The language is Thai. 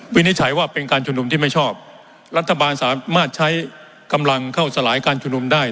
นิจฉัยว่าเป็นการชุมนุมที่ไม่ชอบรัฐบาลสามารถใช้กำลังเข้าสลายการชุมนุมได้